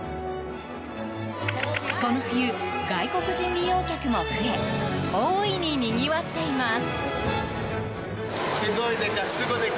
この冬、外国人利用客も増え大いににぎわっています。